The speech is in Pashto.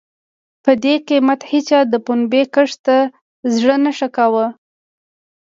په دې قېمت هېچا د پنبې کښت ته زړه نه ښه کاوه.